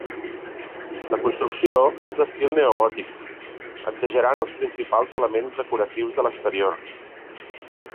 La construcció és d'estil neogòtic, exagerant els principals elements decoratius de l'exterior.